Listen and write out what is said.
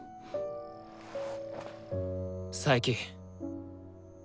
佐伯。